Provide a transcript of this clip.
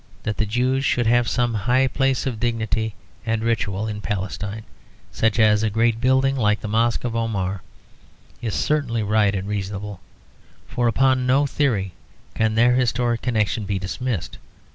That the Jews should have some high place of dignity and ritual in Palestine, such as a great building like the Mosque of Omar, is certainly right and reasonable; for upon no theory can their historic connection be dismissed.